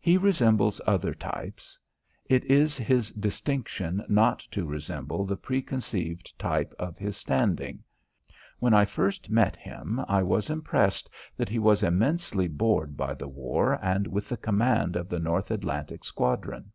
He resembles other types; it is his distinction not to resemble the preconceived type of his standing. When first I met him I was impressed that he was immensely bored by the war and with the command of the North Atlantic Squadron.